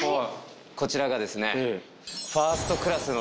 こちらがですね。